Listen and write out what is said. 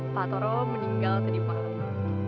pak toro meninggal tadi malam